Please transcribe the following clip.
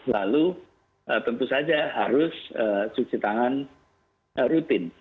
lalu tentu saja harus cuci tangan rutin